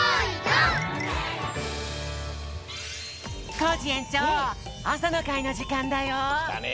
コージえんちょうあさのかいのじかんだよ。きたね！